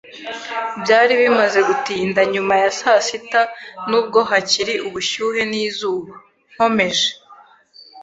Byari bimaze gutinda nyuma ya saa sita, nubwo hakiri ubushyuhe n'izuba. Nkomeje